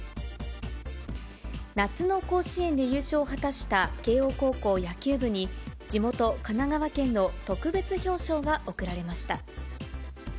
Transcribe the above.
夏の甲子園で優勝を果たした慶応高校野球部に、地元、神奈川県の特別表彰が贈られました。